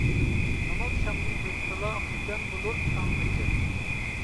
ناماز شامدىن ئۆتسىلا، خۇپتەن بولۇر تاڭغىچە.